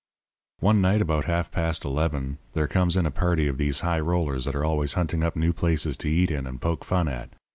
"One night, about half past eleven, there comes in a party of these high rollers that are always hunting up new places to eat in and poke fun at.